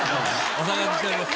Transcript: お騒がせしております。